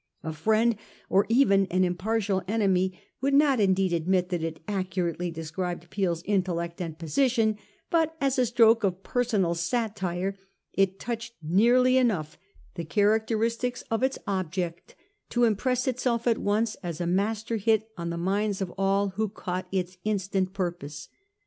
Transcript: A friend, or even an impartial enemy, would not indeed admit that it accurately described Peel's intellect and position; but as a stroke of personal satire it touched nearly enough the characteristics of its object to impress itself at once as a master hit oh the minds of all who caught its instant purpose.